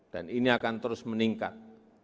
dan ini akan terus meningkat